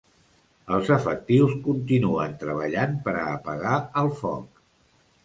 Els efectius continuen treballant per a apagar el foc.